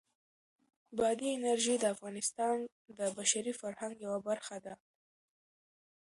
بادي انرژي د افغانستان د بشري فرهنګ یوه برخه ده.